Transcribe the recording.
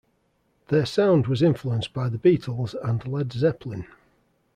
Their sound was influenced by The Beatles and Led Zeppelin.